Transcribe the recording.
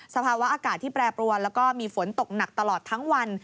ภาวะอากาศที่แปรปรวนแล้วก็มีฝนตกหนักตลอดทั้งวัน